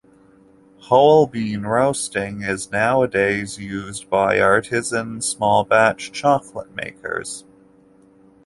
Whole-bean roasting is nowadays often used by artisan, small-batch chocolate makers.